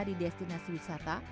di destinasi wisata